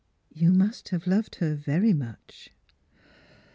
" You must have loved her very much